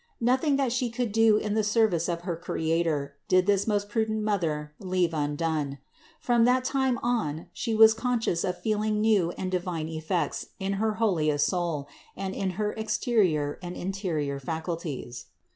Nothing that She could do in the service of her Creator, did this most prudent Mother leave undone. From that time on She was con scious of feeling new and divine effects in her holiest soul and in her exterior and interior faculties.